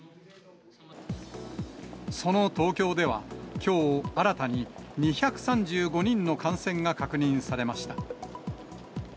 その東京では、きょう新たに、２３５人の感染が確認されました。